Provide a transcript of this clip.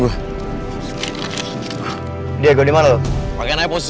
gue lagi di daerah cibukur